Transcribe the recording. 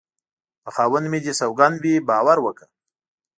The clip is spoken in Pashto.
په خاوند مې دې سوگند وي باور وکړه